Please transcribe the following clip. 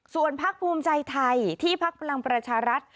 ส่วนพักภูมิใจไทยที่พักพลังประชารัฐ